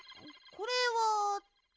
これはっと。